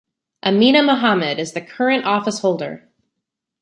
Amina Mohammed is the current office holder.